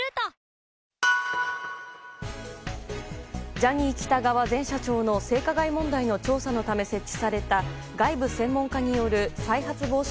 ジャニー喜多川前社長の性加害問題の調査のため設置された外部専門家による再発防止